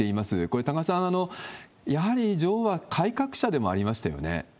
これ、多賀さん、やはり女王は改革者でもありましたよね。